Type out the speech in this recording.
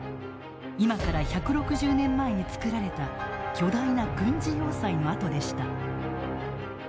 今から１６０年前に造られた巨大な軍事要塞の跡でした。